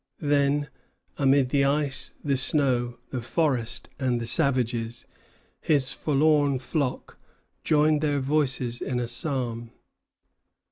Then amid the ice, the snow, the forest, and the savages, his forlorn flock joined their voices in a psalm.